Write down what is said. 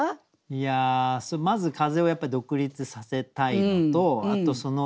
いやあまず「風」をやっぱり独立させたいのとあとその